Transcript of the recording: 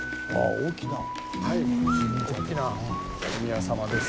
大きなお宮様です。